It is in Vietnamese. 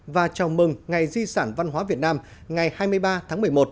và chào mừng ngày di sản văn hóa việt nam ngày hai mươi ba tháng một mươi một